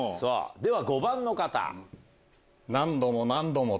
では５番の方。